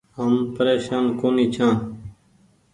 هم پريشان ڪونيٚ ڇآن۔